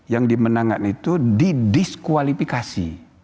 yang dimenangkan itu didiskualifikasi